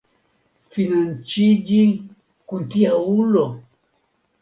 Fianĉiniĝi kun tia ulo!